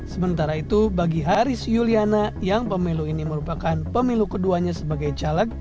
sementara itu bagi haris juliana yang pemilu ini merupakan pemilu keduanya sebagai caleg